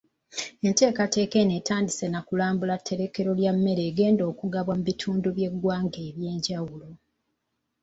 Enteekateeka eno etandise na kulambula tterekero lya mmere egenda okugabwa mu bitundu by’eggwanga ebyenjawulo.